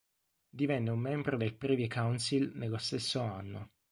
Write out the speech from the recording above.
Divenne un membro del Privy Council nello stesso anno.